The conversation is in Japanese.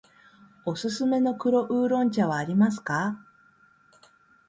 おすすめの黒烏龍茶はありますか。